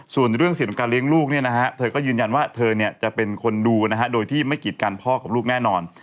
ส่วนเรื่องสิทธิ์ของการเลี้ยงลูกเนี่ยนะฮะเธอก็ยืนยันว่าเธอจะเป็นคนดูนะฮะโดยที่ไม่กิจกันพ่อกับลูกแน่นอน